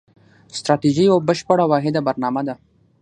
ستراتیژي یوه بشپړه واحده برنامه ده.